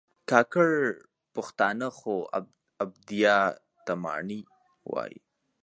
کاکړ پښتانه خوابدیا ته ماڼی وایي